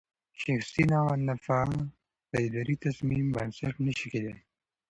شخصي نفعه د اداري تصمیم بنسټ نه شي کېدای.